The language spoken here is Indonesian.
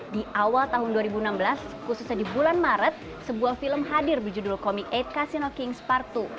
di awal tahun dua ribu enam belas khususnya di bulan maret sebuah film hadir berjudul comic delapan casino kings part dua